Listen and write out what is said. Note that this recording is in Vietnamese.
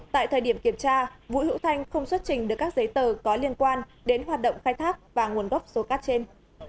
tại thời điểm kiểm tra vũ hữu thanh không xuất trình được các giấy tờ có liên quan đến hoạt động khai thác và nguồn gốc số cát trên